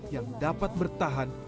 yang dapat bertahan